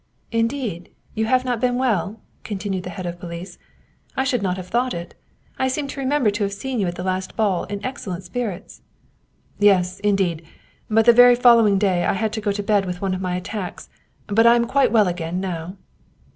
" Indeed ! You have not been well ?" continued the head of police. " I should not have thought it ! I seem to re member to have seen you at the last ball in excellent spirits/' " Yes, indeed ! But the very following day I had to go to bed with one of my attacks. But I am quite well again now."